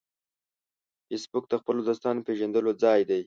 فېسبوک د خپلو دوستانو پېژندلو ځای دی